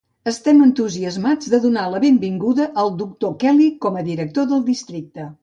Estem entusiasmats de donar la benvinguda al doctor Kelly com a director del districte.